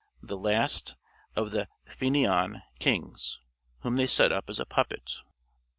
the last of the fainéant kings, whom they set up as a puppet.